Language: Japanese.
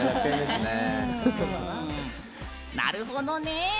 なるほどね！